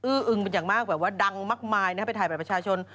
อึงเป็นอย่างมากแบบว่าดังมากมายนะฮะไปถ่ายบัตรประชาชน